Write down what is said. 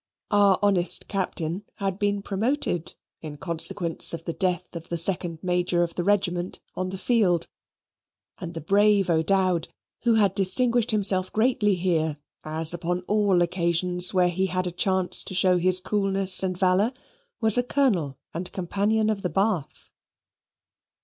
Our honest Captain had been promoted in consequence of the death of the second Major of the regiment on the field; and the brave O'Dowd, who had distinguished himself greatly here as upon all occasions where he had a chance to show his coolness and valour, was a Colonel and Companion of the Bath.